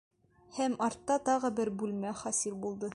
Һәм... артта тағы бер бүлмә хасил булды.